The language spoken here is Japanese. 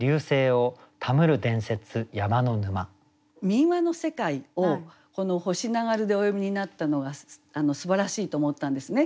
民話の世界をこの「星流る」でお詠みになったのがすばらしいと思ったんですね。